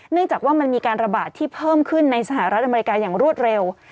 จากว่ามันมีการระบาดที่เพิ่มขึ้นในสหรัฐอเมริกาอย่างรวดเร็ว